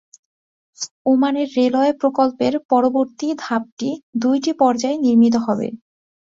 ওমানের রেলওয়ে প্রকল্পের পরবর্তী ধাপটি দুইটি পর্যায়ে নির্মিত হবে।